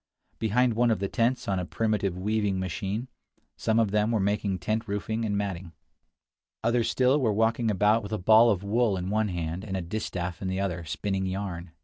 Behind one of the tents, on a primitive weaving machine, some of them were making tent roofing and matting. Others still were walking about with a ball of wool in one hand and a distaff in the other, spinning yarn.